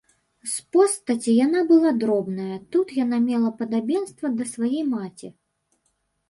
З постаці яна была дробная, тут яна мела падабенства да свае маці.